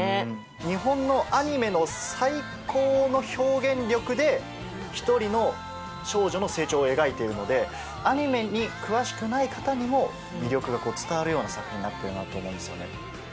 日本のアニメの最高の表現力で１人の少女の成長を描いているのでアニメに詳しくない方にも魅力が伝わるような作品になってるなと思うんですよね。